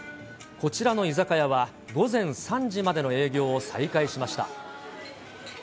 こちらの居酒屋は午前３時までの営業を再開しました。